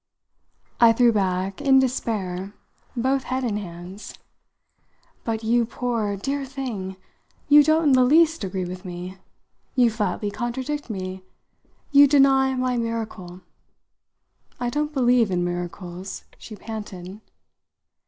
I threw back, in despair, both head and hands. "But, you poor, dear thing, you don't in the least agree with me! You flatly contradict me. You deny my miracle." "I don't believe in miracles," she panted.